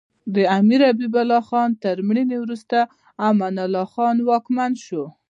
د امیر حبیب الله خان تر مړینې وروسته امان الله خان واکمن شو.